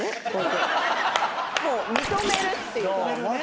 もう認めるっていう。